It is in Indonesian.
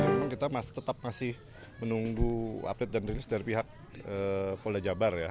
jadi memang kita masih tetap menunggu update dan release dari pihak polda jabar ya